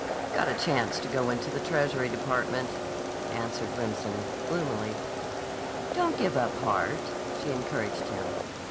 "Got a chance to go into the Treasury Department," answered Remsen gloomily. "Don't give up heart," she encouraged him.